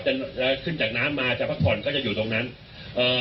จะขึ้นจากน้ำมาจะพักผ่อนก็จะอยู่ตรงนั้นเอ่อ